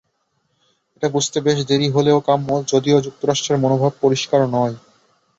এটা বুঝতে বেশ দেরি হলেও কাম্য, যদিও যুক্তরাষ্ট্রের মনোভাব পরিষ্কার নয়।